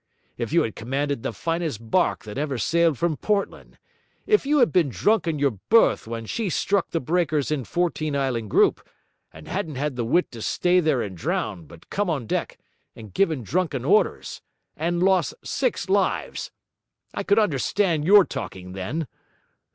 If you had commanded the finest barque that ever sailed from Portland; if you had been drunk in your berth when she struck the breakers in Fourteen Island Group, and hadn't had the wit to stay there and drown, but came on deck, and given drunken orders, and lost six lives I could understand your talking then!